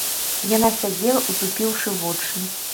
Яна сядзела, утупіўшы вочы.